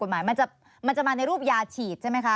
มันจะมาในรูปยาฉีดใช่ไหมคะ